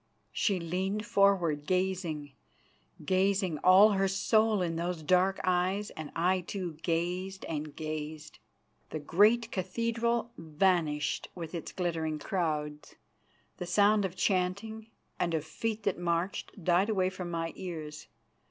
She leaned forward, gazing, gazing, all her soul in those dark eyes, and I, too, gazed and gazed. The great cathedral vanished with its glittering crowds, the sound of chanting and of feet that marched died from my ears.